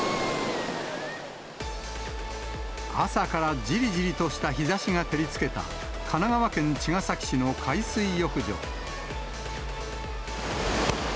朝からじりじりとした日ざしが照りつけた、神奈川県茅ヶ崎市の海水浴場。